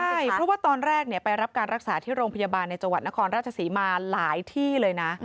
ใช่เพราะว่าตอนแรกไปรับการรักษาที่โรงพยาบาลในจังหวัดนครราชศรีมาหลายที่เลยนะ